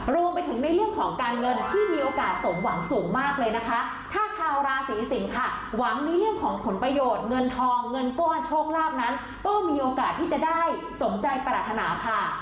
รวมไปถึงในเรื่องของการเงินที่มีโอกาสสมหวังสูงมากเลยนะคะถ้าชาวราศีสิงค่ะหวังในเรื่องของผลประโยชน์เงินทองเงินก้อนโชคลาภนั้นก็มีโอกาสที่จะได้สมใจปรารถนาค่ะ